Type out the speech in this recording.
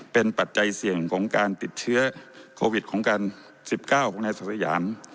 เป็นปัจจัยเสี่ยงของการติดเชื้อโควิดของการ๑๙ของนายศักดิ์สยาม